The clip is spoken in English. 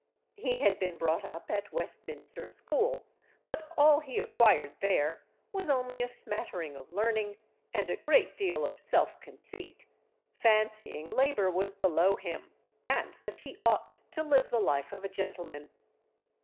He had been brought up at Westminster School, but all he acquired there was only a smattering of learning and a great deal of self conceit, fancying labour was below him, and that he ought to live the life of a gentleman.